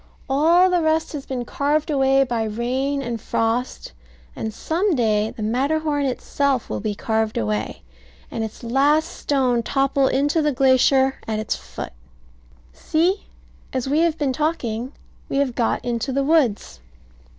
All the rest has been carved away by rain and frost; and some day the Matterhorn itself will be carved away, and its last stone topple into the glacier at its foot. See, as we have been talking, we have got into the woods.